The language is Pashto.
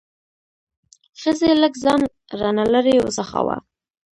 ښځې لږ ځان را نه لرې وڅښاوه.